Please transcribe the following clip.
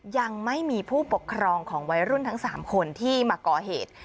ยังไม่มีผู้ปกครองของวัยรุ่นทั้ง๓คนที่มาก่อเหตุ